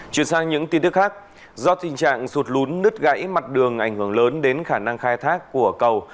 chuyển sang những tin tức khác do tình trạng sụt lún nứt gãy mặt đường ảnh hưởng lớn đến khả năng khai thác của cầu